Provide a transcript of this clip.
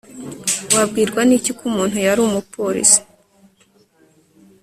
Wabwirwa niki ko umuntu yari umupolisi